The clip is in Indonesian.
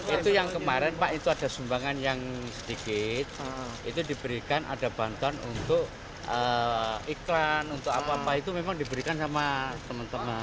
itu yang kemarin pak itu ada sumbangan yang sedikit itu diberikan ada bantuan untuk iklan untuk apa apa itu memang diberikan sama teman teman